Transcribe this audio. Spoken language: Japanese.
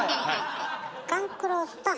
勘九郎さん。